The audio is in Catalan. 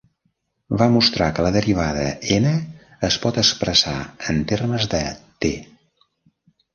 Va mostrar que la derivada "n" es pot expressar en termes de "T".